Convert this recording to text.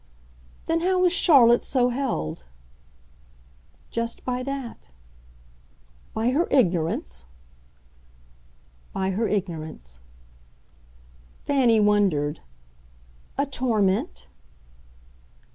"Then how is Charlotte so held?" "Just by that." "By her ignorance?" "By her ignorance." Fanny wondered. "A torment